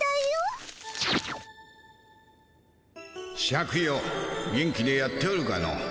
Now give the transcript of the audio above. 「シャクよ元気でやっておるかの？